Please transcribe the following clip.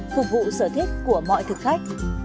phở bò phục vụ sở thích của mọi thực khách